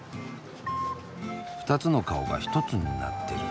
２つの顔が１つになってる。